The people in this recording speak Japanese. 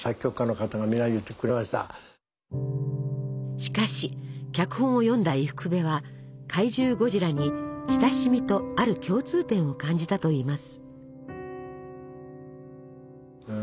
しかし脚本を読んだ伊福部は怪獣ゴジラに親しみとある共通点を感じたといいます。